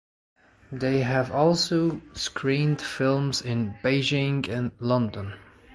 They have also screened films in Beijing and London.